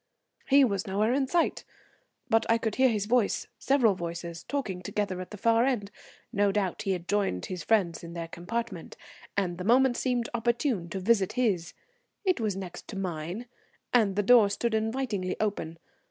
He was nowhere in sight, but I could hear his voice, several voices, talking together at the far end. No doubt he had joined his friends in their compartment, and the moment seemed opportune to visit his. It was next to mine, and the door stood invitingly open.